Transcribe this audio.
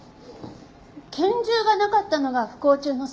拳銃がなかったのが不幸中の幸いね。